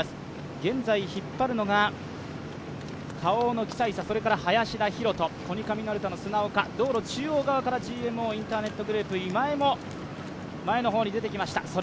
現在引っ張るのがＫａｏのキサイサ、林田洋翔、コニカミノルタの砂岡、道路中央側からＧＭＯインターネットグループ今江も、前の方に出てきました。